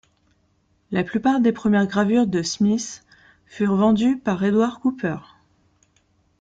La plupart des premières gravures de Smith furent vendues par Edward Cooper.